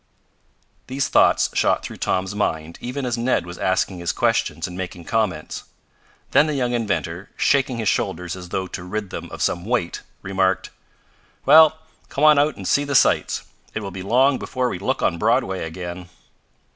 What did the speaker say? These thoughts shot through Tom's mind even as Ned was asking his questions and making comments. Then the young inventor, shaking his shoulders as though to rid them of some weight, remarked: "Well, come on out and see the sights. It will be long before we look on Broadway again."